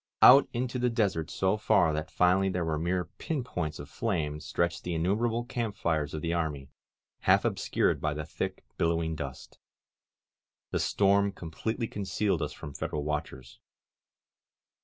Out into the desert so far that finally they were mere pin points of flame stretched the innumerable camp fires of the army, half obscured by the thick, billowing dust. The storm completely concealed us from Federal watchers.